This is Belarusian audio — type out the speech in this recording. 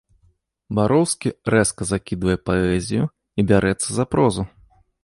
Бароўскі рэзка закідвае паэзію і бярэцца за прозу.